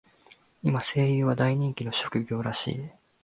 今、声優は大人気の職業らしい。